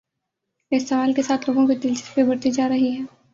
اس سوال کے ساتھ لوگوں کی دلچسپی بڑھتی جا رہی ہے۔